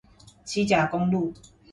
旗甲公路